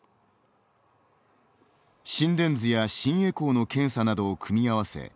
心電図や心エコーの検査などを組み合わせ